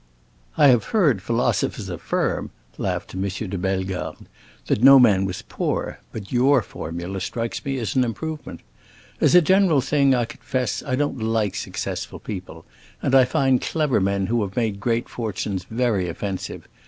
"I have heard philosophers affirm," laughed M. de Bellegarde, "that no man was poor; but your formula strikes me as an improvement. As a general thing, I confess, I don't like successful people, and I find clever men who have made great fortunes very offensive.